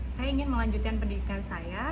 saya ingin melanjutkan pendidikan saya